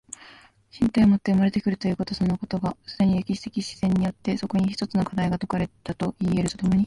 身体をもって生まれて来るということそのことが、既に歴史的自然によってそこに一つの課題が解かれたといい得ると共に